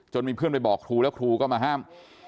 มีเพื่อนไปบอกครูแล้วครูก็มาห้าม